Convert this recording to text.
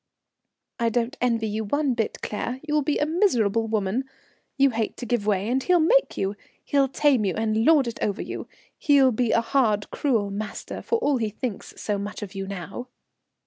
"I don't envy you one bit, Claire. You'll be a miserable woman. You hate to give way, and he'll make you. He'll tame you, and lord it over you, he'll be a hard, a cruel master, for all he thinks so much of you now."